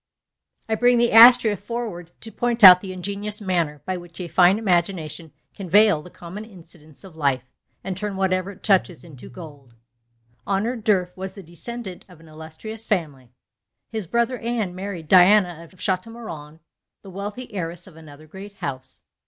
I bring the Astrea forward to point out the ingenious manner by which a fine imagination can veil the common incidents of life, and turn whatever it touches into gold. Honoré D'Urfé was the descendant of an illustrious family. His brother Anne married Diana of Chateaumorand, the wealthy heiress of another great house.